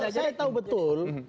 saya tahu betul